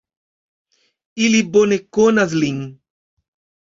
Ili bone konas lin.